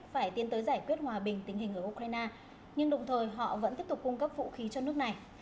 phải tiến tới giải quyết hòa bình tình hình ở ukraine nhưng đồng thời họ vẫn tiếp tục cung cấp vũ khí cho nước này